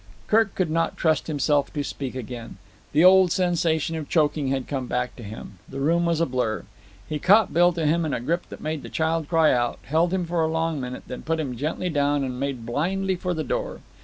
Kirk could not trust himself to speak again. The old sensation of choking had come back to him. The room was a blur. He caught Bill to him in a grip that made the child cry out, held him for a long minute, then put him gently down and made blindly for the door.